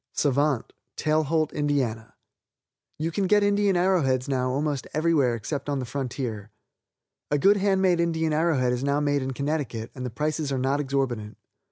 Savant, Tailholt, Ind.: You can get Indian arrow heads now almost anywhere except on the frontier. A good hand made Indian arrow head is now made in Connecticut, and the prices are not exorbitant.